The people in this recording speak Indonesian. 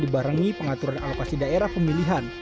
dibarengi pengaturan alokasi daerah pemilihan